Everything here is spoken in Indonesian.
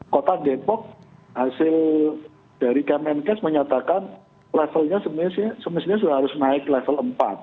kota depok hasil dari kemenkes menyatakan levelnya semestinya sudah harus naik level empat